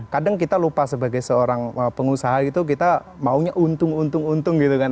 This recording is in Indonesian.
kadang kita lupa sebagai seorang pengusaha gitu kita maunya untung untung untung untung gitu kan